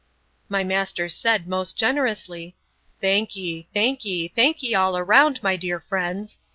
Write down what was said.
My master said, most generously, Thank ye, thank ye, thank ye, all round, my dear friends.